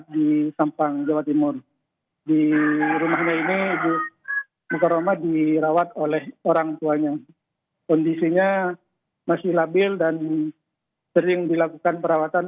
baik juno dan saudara